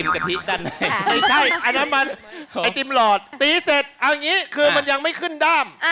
กะทิด้านในไม่ใช่อันนั้นมันไอติมหลอดตีเสร็จเอาอย่างนี้คือมันยังไม่ขึ้นด้าม